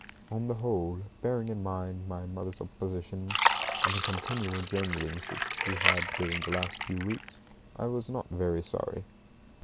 On the whole, bearing in mind my mother's opposition, and the continual janglings which we had had during the last few weeks, I was not very sorry.